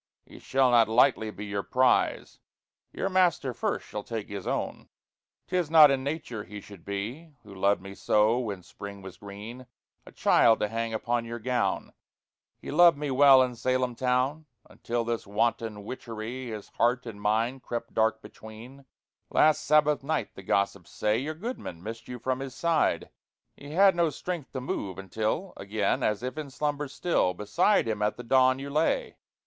He shall not lightly be your prize Your Master first shall take his owne. 'Tis not in nature he should be (Who loved me soe when Springe was greene) A childe, to hange upon your gowne! He loved me well in Salem towne Until this wanton witcherie His heart and myne crept dark betweene. Last Sabbath nighte, the gossips saye, Your goodman missed you from his side. He had no strength to move, until Agen, as if in slumber still, Beside him at the dawne you laye.